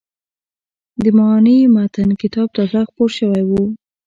د «معنای متن» کتاب تازه خپور شوی و.